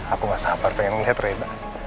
aku gak sabar pengen ngeliat rina